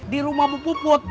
di rumah bu puput